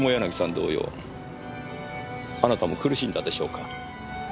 同様あなたも苦しんだでしょうか。